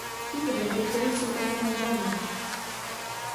Tyto detektory jsou také nákladné.